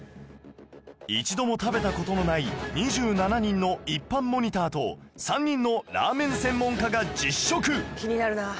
一度も食べた事のない２７人の一般モニターと３人のラーメン専門家が実食！